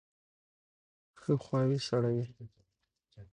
ښه خواوې سړوئ.